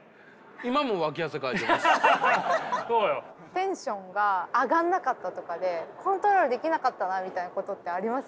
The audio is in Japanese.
テンションが上がらなかったとかでコントロールできなかったなみたいなことってあります？